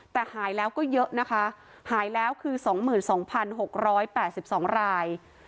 แต่หายแล้วก็เยอะนะคะหายแล้วคือ๒๒๖๘๒ราย